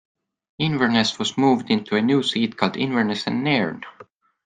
Inverness was moved into a new seat called Inverness and Nairn.